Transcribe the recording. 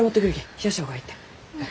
冷やした方がえいって。